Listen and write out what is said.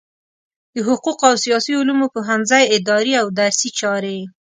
د حقوقو او سیاسي علومو پوهنځی اداري او درسي چارې